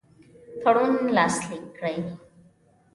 تړون لاسلیک کړي.